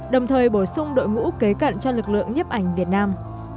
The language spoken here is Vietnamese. đồng thời bổ sung đội ngũ kế cận cho lực lượng nhếp ảnh việt nam